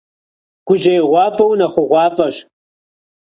Gujêiğuaf'e — vunexhuğuaf'eş.